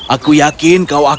aku yakin kau akan mencari uang